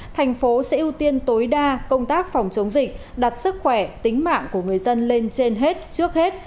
thành phố sẽ ưu tiên tối đa công tác phòng chống dịch đặt sức khỏe tính mạng của người dân lên trên hết trước hết